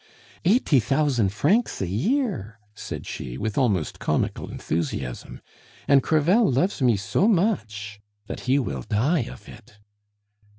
"Eighty thousand francs a year!" said she, with almost comical enthusiasm. "And Crevel loves me so much that he will die of it!"